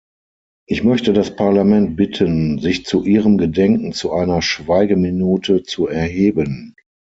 Ich möchte das Parlament bitten, sich zu ihrem Gedenken zu einer Schweigeminute zu erheben.